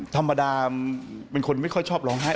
ธรรมดาเป็นคนไม่ค่อยชอบร้องไห้